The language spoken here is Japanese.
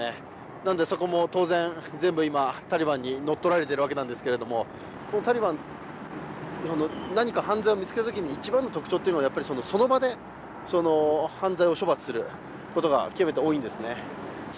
なのでそこも当然、全部タリバンに乗っ取られているわけですけれども、タリバン、何か犯罪を見つけたときの一番の特徴というのはその場で犯罪を処罰することが極めて多いんですね。